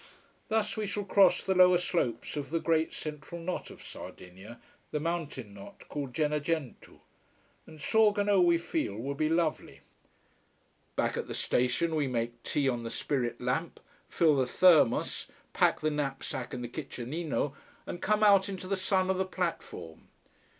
Thus, we shall cross the lower slopes of the great central knot of Sardinia, the mountain knot called Gennargentu. And Sorgono we feel will be lovely. Back at the station we make tea on the spirit lamp, fill the thermos, pack the knapsack and the kitchenino, and come out into the sun of the platform.